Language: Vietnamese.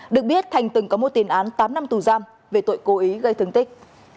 được biết thành từng có một tiền án tám năm tù giam về tội cố ý gây thương tích